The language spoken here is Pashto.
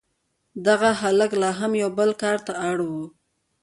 دغه هلک لا هم یو بل کار ته اړ و